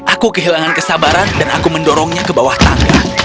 aku kehilangan kesabaran dan aku mendorongnya ke bawah tangga